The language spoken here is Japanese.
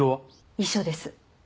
遺書です。